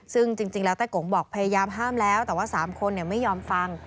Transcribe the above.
ซึ่งจริงแล้วไต้กงบอกพยายามห้ามแล้วแต่ว่า๓คนไม่ยอมฟัง